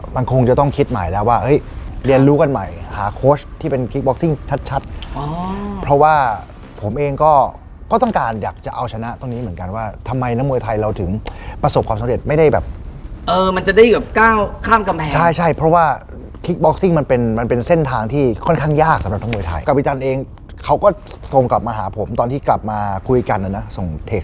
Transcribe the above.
เป็นคลิปบอกซิ่งชัดเพราะว่าผมเองก็ก็ต้องการอยากจะเอาชนะตรงนี้เหมือนกันว่าทำไมทั้งมวยไทยเราถึงประสบความสำเร็จไม่ได้แบบเออมันจะได้แบบก้าวข้ามกำแพงใช่ใช่เพราะว่าคลิปบอกซิ่งมันเป็นมันเป็นเส้นทางที่ค่อนข้างยากสำหรับทั้งมวยไทยกับพี่ตันเองเขาก็ส่งกลับมาหาผมตอนที่กลับมาคุยกันนะส่งเท